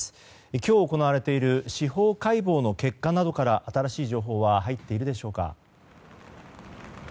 今日、行われている司法解剖の結果などから新しい情報は入っているでしょうか。